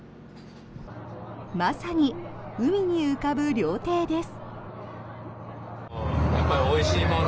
まさに海に浮かぶ料亭です。